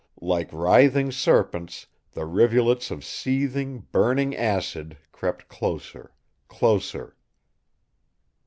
Like writhing serpents, the rivulets of seething, burning acid crept closer, closer.